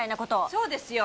そうですよ。